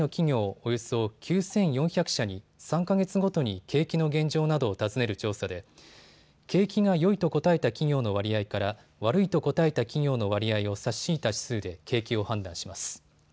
およそ９４００社に３か月ごとに景気の現状などを尋ねる調査で景気がよいと答えた企業の割合から悪いと答えた企業の割合を差し引いた指数で景気を判断します。